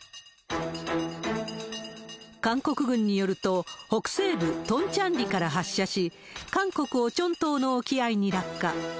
韓国軍によると、北西部トンチャンリから発射し、韓国・オチョン島の沖合に落下。